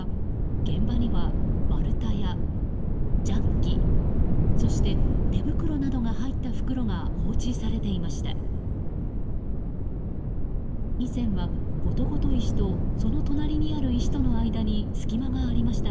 現場には丸太やジャッキそして手袋などが入った袋が放置されていました。